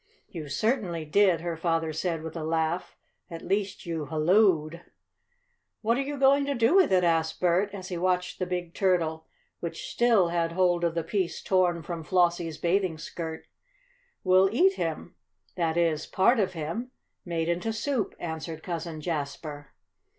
"You certainly did," her father said with a laugh. "At least, you hallooed." "What are you going to do with it?" asked Bert, as he watched the big turtle, which still had hold of the piece torn from Flossie's bathing skirt. "We'll eat him that is part of him, made into soup," answered Cousin Jasper.